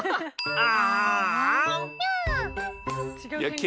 ああ！